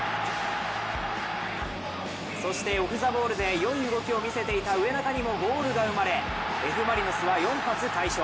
そしてオフザボールでよい動きを見せていた植中にもゴールが生まれＦ・マリノスは４発快勝。